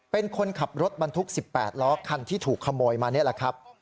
เป็นคนขับรถบรรทุก๑๘ล้อคันที่ถูกขโมยมานี่แหละครับ